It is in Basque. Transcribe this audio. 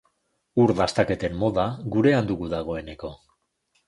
Ur dastaketen moda gurean dugu dagoeneko.